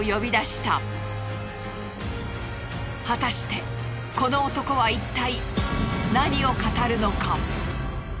果たしてこの男はいったい何を語るのか。